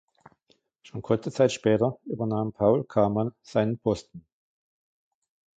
Schon kurze Zeit später übernahm "Paul Carman" seinen Posten.